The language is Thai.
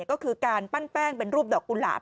ก็คือการปั้นแป้งเป็นรูปดอกกุหลาบ